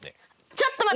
ちょっと待った！